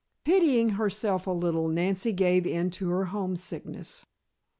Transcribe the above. Pitying herself a little, Nancy gave in to her homesickness.